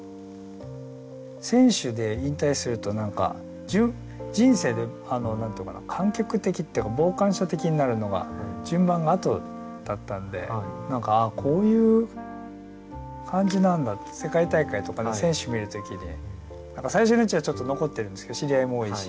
選手で引退すると人生で観客的っていうか傍観者的になるのが順番があとだったんで何かああこういう感じなんだって世界大会とかで選手見る時に最初のうちはちょっと残ってるんですけど知り合いも多いし。